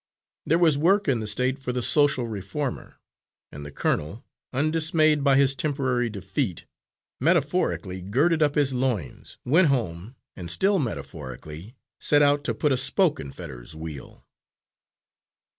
There was work in the State for the social reformer, and the colonel, undismayed by his temporary defeat, metaphorically girded up his loins, went home, and, still metaphorically, set out to put a spoke in Fetters's wheel.